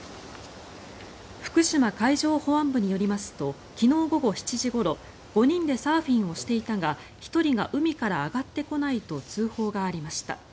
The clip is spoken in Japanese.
福島海上保安部によりますと昨日午後７時ごろ５人でサーフィンをしていたが１人が海から上がってこないと通報がありました。